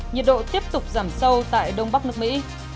nhiệt độ tiếp tục giảm sâu tại đông bắc nước mỹ